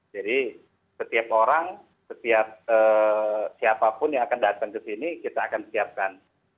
jadi setiap orang setiap siapa pun yang akan datang ke sini kita akan siapkan